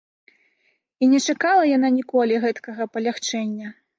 І не чакала яна ніколі гэткага палягчэння.